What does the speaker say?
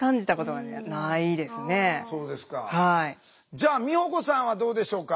じゃあ美保子さんはどうでしょうか？